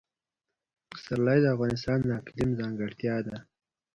پسرلی د افغانستان د اقلیم ځانګړتیا ده.